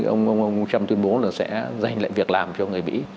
ông wham tuyên bố là sẽ dành lại việc làm cho người mỹ